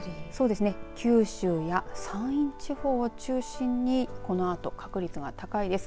九州や山陰地方を中心にこのあと確率が高いです。